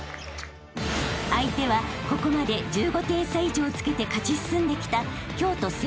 ［相手はここまで１５点差以上つけて勝ち進んできた］